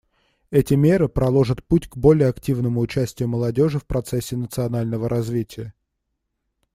Эти меры проложат путь к более активному участию молодежи в процессе национального развития.